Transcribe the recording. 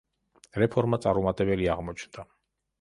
რეფორმა წარუმატებელი აღმოჩნდა.